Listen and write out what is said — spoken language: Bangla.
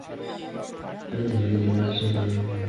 আমি তো সেরকম কিছু করছি না!